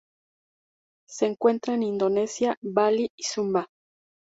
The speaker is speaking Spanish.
Se encuentra en Indonesia: Bali y Sumba.